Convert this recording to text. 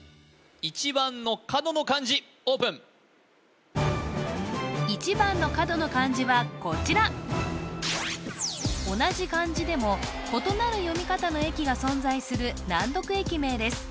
１番の角の漢字オープン１番の角の漢字はこちら同じ漢字でも異なる読み方の駅が存在する難読駅名です